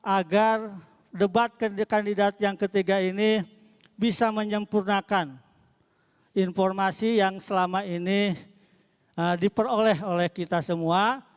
agar debat kandidat yang ketiga ini bisa menyempurnakan informasi yang selama ini diperoleh oleh kita semua